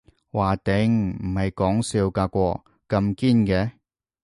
嘩頂，唔係講笑㗎喎，咁堅嘅